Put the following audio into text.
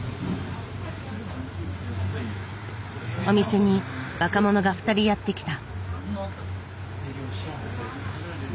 お店に若者が２人やって来た。